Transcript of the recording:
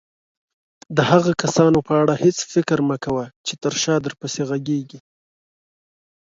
د هغه کسانو په اړه هيڅ فکر مه کوه چې تر شاه درپسې غږيږي.